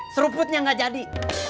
seruputnya nggak jadi